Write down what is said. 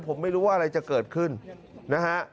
ผมไม่รู้ว่าอะไรจะเกิดขึ้นนะฮะ